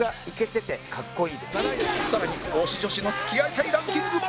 さらに推し女子の付き合いたいランキングも